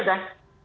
tidak bukan saja